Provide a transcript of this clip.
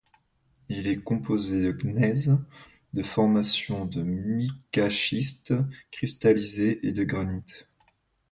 Il est composé de gneiss, de formations de micaschiste cristallisé et de granite.